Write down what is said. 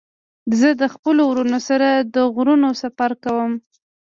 زه د خپلو ورونو سره د غرونو سفر کوم.